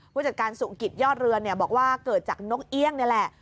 ผู้จัดการสุขิตยอดเรือบอกว่าเกิดจากนกเอี่ยงนี่แหละ